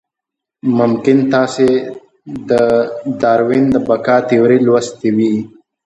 ممکن تاسې د داروېن د بقا تیوري لوستې وي.